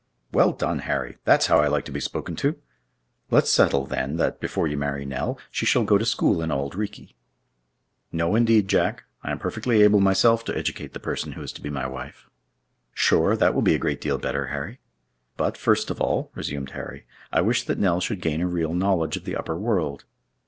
"Well done, Harry! that's how I like to be spoken to! Let's settle, then, that, before you marry Nell, she shall go to school in Auld Reekie." "No indeed, Jack; I am perfectly able myself to educate the person who is to be my wife." "Sure that will be a great deal better, Harry!" "But, first of all," resumed Harry, "I wish that Nell should gain a real knowledge of the upper world.